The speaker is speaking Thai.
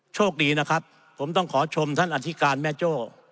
โชคดีนะครับผมต้องขอชมท่านอธิการแม่โจ้